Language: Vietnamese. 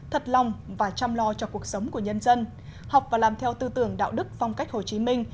thật lòng và chăm lo cho cuộc sống của nhân dân học và làm theo tư tưởng đạo đức phong cách hồ chí minh